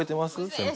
先輩。